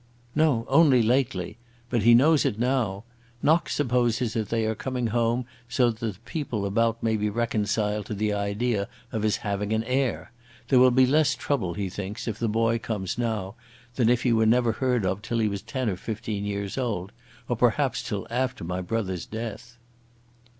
"No, only lately. But he knows it now. Knox supposes that they are coming home so that the people about may be reconciled to the idea of his having an heir. There will be less trouble, he thinks, if the boy comes now, than if he were never heard of till he was ten or fifteen years old, or perhaps till after my brother's death."